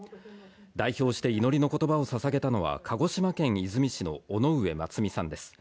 代表して祈りのことばをささげたのは、鹿児島県出水市の尾上マツミさんです。